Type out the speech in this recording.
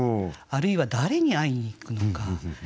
あるいは誰に会いに行くのか。